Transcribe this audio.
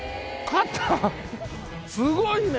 すごいね。